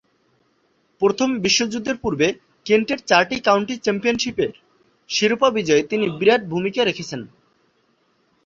প্রথম বিশ্বযুদ্ধের পূর্বে কেন্টের চারটি কাউন্টি চ্যাম্পিয়নশীপের শিরোপা বিজয়ে তিনি বিরাট ভূমিকা রেখেছেন।